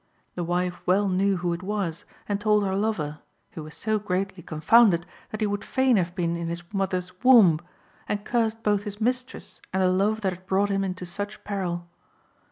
The wife well knew who it was and told her lover, who was so greatly confounded that he would fain have been in his mother's womb, and cursed both his mistress and the love that had brought him into such peril.